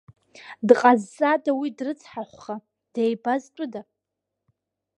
Дҟазҵада уи дрыцҳахәха, деибазтәыда?